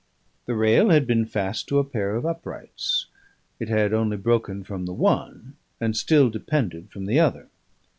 The rail had been fast to a pair of uprights; it had only broken from the one, and still depended from the other.